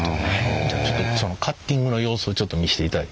じゃあちょっとそのカッティングの様子をちょっと見せていただいて？